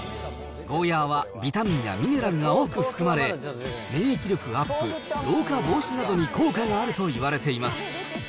ゴーヤーはビタミンやミネラルが多く含まれ、免疫力アップ、老化防止などに効果があるといわれています。